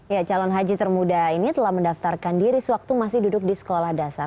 ya calon haji termuda ini telah mendaftarkan diri sewaktu masih duduk di sekolah dasar